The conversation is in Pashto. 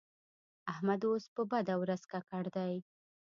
احمد اوس په بده ورځ ککړ دی.